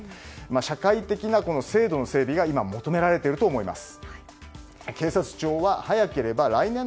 社会的な制度の整備が求められていると思います。